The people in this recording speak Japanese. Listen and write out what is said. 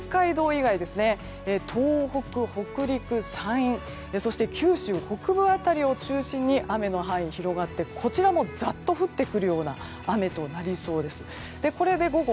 以外東北、北陸、山陰そして九州北部辺りを中心に雨の範囲が広がってこちらもザッと降ってくるような雨となりそうです。